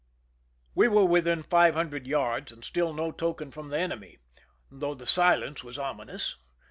We were within five hundred yards, and still no token from the enemy, though the silence was ominous.